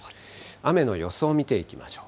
雨の予想を見てみましょう。